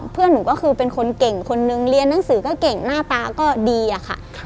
เพื่อนหนูก็คือเป็นคนเก่งคนนึงเรียนหนังสือก็เก่งหน้าตาก็ดีอะค่ะ